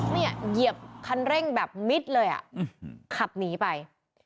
เหยียบคันเร่งแบบมิดเลยอ่ะขับหนีไป